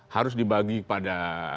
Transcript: harus dibagi pada